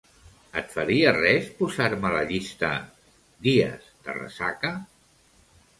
Et faria res posar-me la llista "dies de ressaca"?